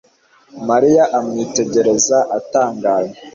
mariya amwitegereza atangaye